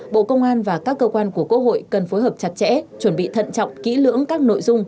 bộ công an và các cơ quan của quốc hội cần phối hợp chặt chẽ chuẩn bị thận trọng kỹ lưỡng các nội dung